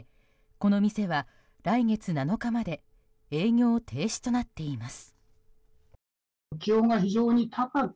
この店は来月７日まで営業停止となっています。